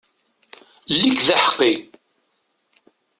Ili-k d aḥeqqi!